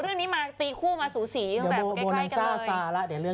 เรื่องนี้มาตีคู่มาสูสีตั้งแต่ใกล้กัน